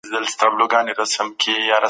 موږ باید د ټولنیزو علومو څخه ډېره تمه ونه کړو.